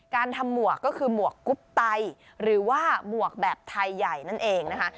การทำหมวกก็คือหมวกกุ๊บไตหรือว่าหมวกแบบไทยใหญ่นั่นเองนะคะ